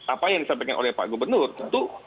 apa yang disampaikan oleh pak gubernur tentu